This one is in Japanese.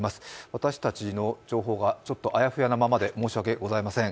私たちの情報がちょっとあやふやなままで申し訳ありません。